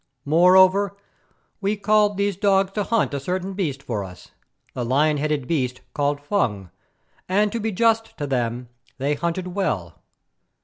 Moreover, we called these dogs to hunt a certain beast for us, the lion headed beast called Fung, and, to be just to them, they hunted well.